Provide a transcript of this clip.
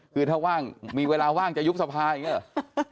คือถ้าว่างมีเวลาว่างจะยุบสภาอย่างนี้เหรอ